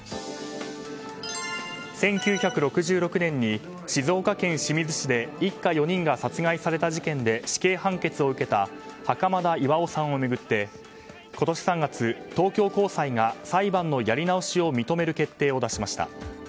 １９６６年に静岡県清水市で一家４人が殺害された事件で死刑判決を受けた袴田巌さんを巡って今年３月、東京高裁が裁判のやり直しを認める決定を出しました。